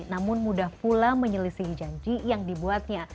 namun mudah pula menyelisihi janji yang dibuatnya